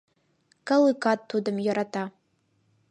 Калыкат тудым йӧрата.